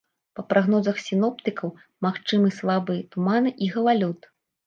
Па прагнозах сіноптыкаў, магчымы слабыя туман і галалёд.